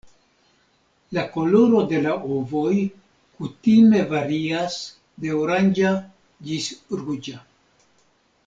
La koloro de la ovoj kutime varias de oranĝa ĝis ruĝa.